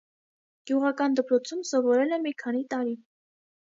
Գյուղական դպրոցում սովորել է մի քանի տարի։